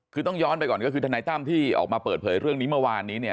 คือต้องย้อนไปก่อนก็คือทนายตั้มที่ออกมาเปิดเผยเรื่องนี้เมื่อวานนี้เนี่ย